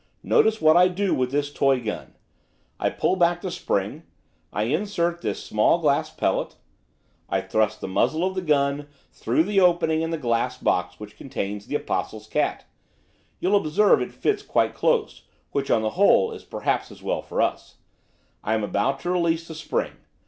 Notice what I do with this toy gun. I pull back the spring; I insert this small glass pellet; I thrust the muzzle of the gun through the opening in the glass box which contains the Apostle's cat, you'll observe it fits quite close, which, on the whole, is perhaps as well for us. I am about to release the spring.